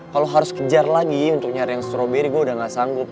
kalau harus kejar lagi untuk nyari yang stroberi gue udah gak sanggup